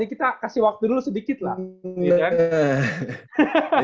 kita kasih waktu dulu sedikit lah